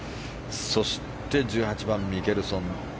そして、１８番のミケルソン。